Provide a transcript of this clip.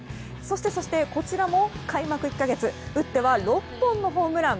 そして、こちらも開幕１か月打っては６本のホームラン。